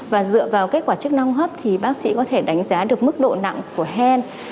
và dựa vào kết quả chức năng hấp thì bác sĩ có thể đánh giá được mức độ nặng của hen